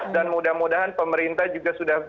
dan mudah mudahan pemerintah juga sudah